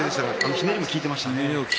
ひねりも効いていましたね。